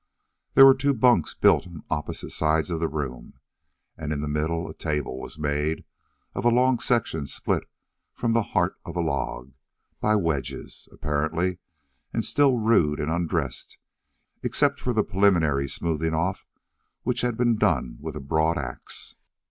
There were two bunks built on opposite sides of the room, and in the middle a table was made of a long section split from the heart of a log by wedges, apparently, and still rude and undressed, except for the preliminary smoothing off which had been done with a broad ax.